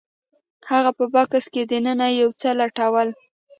هغه په بکس کې دننه یو څه لټول